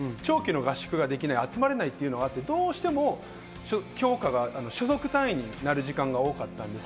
長期の合宿ができない、集まれないというと、どうしても所属単位になる時間が大きかったんです。